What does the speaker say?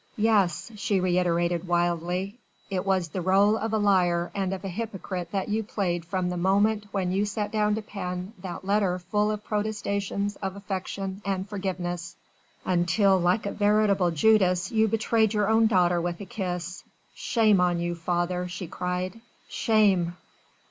"Yes!" she reiterated wildly, "it was the rôle of a liar and of a hypocrite that you played from the moment when you sat down to pen that letter full of protestations of affection and forgiveness, until like a veritable Judas you betrayed your own daughter with a kiss. Shame on you, father!" she cried. "Shame!"